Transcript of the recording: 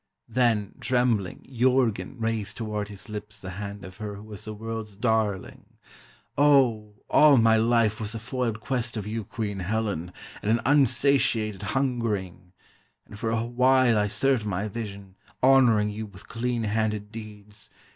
Then, trembling, Jurgen raised toward his lips the hand of her who was the world's darling.... "Oh, all my life was a foiled quest of you, Queen Helen, and an unsatiated hungering. And for a while I served my vision, honoring you with clean handed deeds.